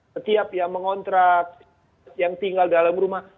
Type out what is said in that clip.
setiap yang mengontrak yang tinggal dalam rumah